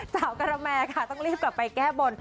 เจ้ากรรมแมร์ค่ะต้องรีบกลับไปแก้บน